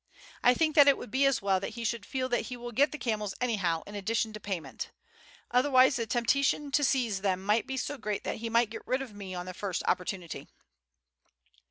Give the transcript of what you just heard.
I think that it would be as well that he should feel that he will get the camels anyhow in addition to payment; otherwise the temptation to seize them might be so great that he might get rid of me on the first opportunity."